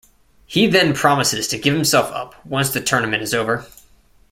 He then promises to give himself up once the tournament is over.